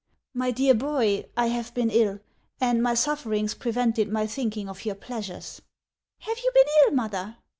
" My dear boy, I have been ill, and my sufferings pre vented my thinking of your pleasures." "Have you been ill, mother?